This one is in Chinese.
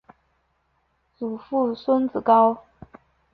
祖父孙子高。